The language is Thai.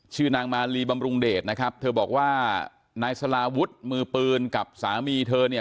ชื่อนางมาลีบำรุงเดชนะครับเธอบอกว่านายสลาวุฒิมือปืนกับสามีเธอเนี่ย